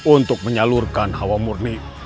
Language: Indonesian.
untuk menyalurkan hawa murni